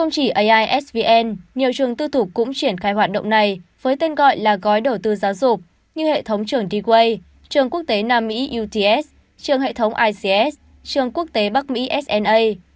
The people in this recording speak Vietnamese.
chỉ aisvn nhiều trường tư thục cũng triển khai hoạt động này với tên gọi là gói đầu tư giáo dục như hệ thống trường dway trường quốc tế nam mỹ uts trường hệ thống ics trường quốc tế bắc mỹ sna